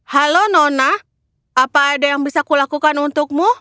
halo nona apa ada yang bisa kulakukan untukmu